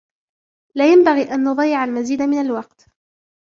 لا ينبغي أن نضيع المزيد من الوقت.